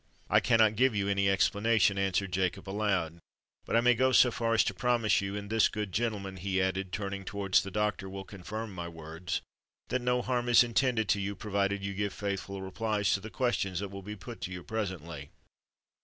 "I cannot give you any explanation," answered Jacob aloud. "But I may go so far as to promise you—and this good gentleman," he added, turning towards the doctor, "will confirm my words—that no harm is intended to you, provided you give faithful replies to the questions that will be put to you presently."